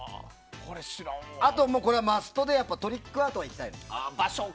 あと、これはマストでトリックアート行きたい。